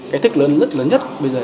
cái thích lớn nhất bây giờ